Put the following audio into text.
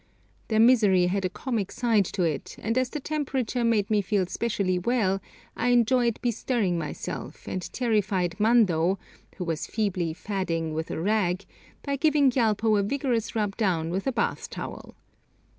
Their misery had a comic side to it, and as the temperature made me feel specially well, I enjoyed bestirring myself, and terrified Mando, who was feebly 'fadding' with a rag, by giving Gyalpo a vigorous rub down with a bath towel.